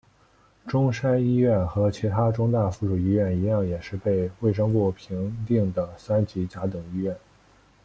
中山一院和其它中大附属医院一样也是被卫生部评定的三级甲等医院。